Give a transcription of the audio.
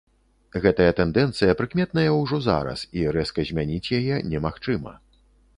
Гэтая тэндэнцыя прыкметная ўжо зараз і рэзка змяніць яе немагчыма.